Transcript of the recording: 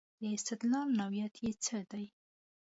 د استدلال نوعیت یې څه دی.